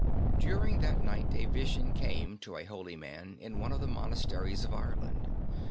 During that night a vision came to a holy old man in one of the monasteries of Ireland.